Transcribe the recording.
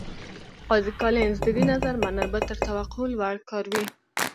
قاضي کالینز د دې نظر منل به تر توقع لوړ کار وي.